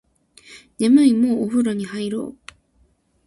眠いもうお風呂入ろう